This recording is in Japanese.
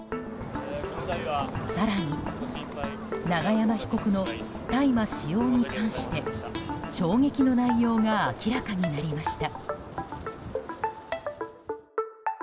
更に永山被告の大麻使用に関して衝撃の内容が明らかになりました。